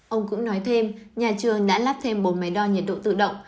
ông cũng nói thêm nhà trường đã lắp thêm bốn máy đo nhiệt độ tự động